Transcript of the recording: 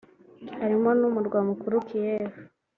harimo n’Umurwa Mukuru Kiev